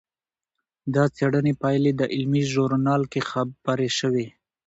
د څېړنې پایلې د علمي ژورنال کې خپرې شوې.